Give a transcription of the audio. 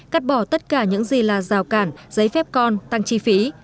cắt bỏ tất cả những gì là rào cản giấy phép con tăng chi phí